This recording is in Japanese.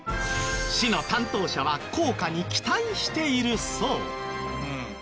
市の担当者は効果に期待しているそう。